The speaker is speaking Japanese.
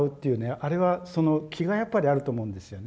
あれはその「気」がやっぱりあると思うんですよね。